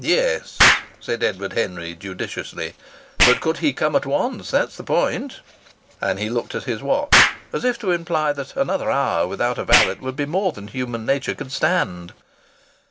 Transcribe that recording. "Yes," said Edward Henry, judiciously. "But could he come at once? That's the point." And he looked at his watch, as if to imply that another hour without a valet would be more than human nature could stand.